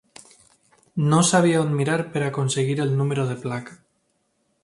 No sabia on mirar per aconseguir el número de placa.